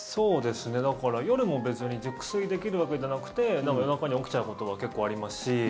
だから、夜も別に熟睡できるわけじゃなくて夜中に起きちゃうことは結構ありますし。